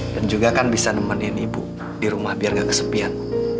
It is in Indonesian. dan juga kan bisa nemenin ibu di rumah biar gak kesepian